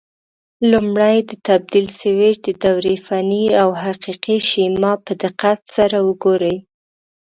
لومړی د تبدیل سویچ د دورې فني او حقیقي شیما په دقت سره وګورئ.